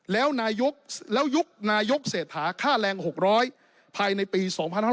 แล้วยุคนายกเศรษฐาค่าแรง๖๐๐ภายในปี๒๕๗๐